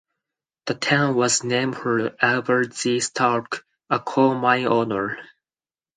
The town was named for Albert G. Stark, a coal mine owner.